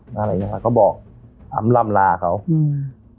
อะไรอย่างเงี้ค่ะก็บอกอ้ำล่ำลาเขาอืม